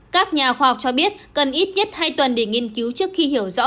các nhà khoa học cho biết cần ít nhất hai tuần để nghiên cứu trước khi hiểu rõ